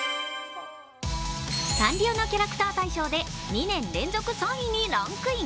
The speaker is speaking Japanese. サンリオのキャラクター大賞で２年連続で３位にランクイン。